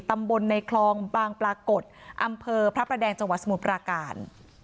ตำบลในคลองบางปรากฏอำเภอพระประแดงจังหวัดสมุทรปราการ